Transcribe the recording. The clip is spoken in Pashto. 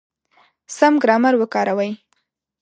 سم ګرامر وکاروئ!